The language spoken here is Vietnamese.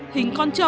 hình con châu